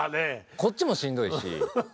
こっちもしんどいし。